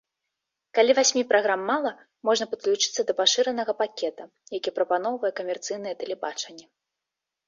Калі васьмі праграм мала, можна падключыцца да пашыранага пакета, які прапаноўвае камерцыйнае тэлебачанне.